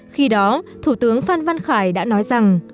khi đó thủ tướng phan văn khải đã nói rằng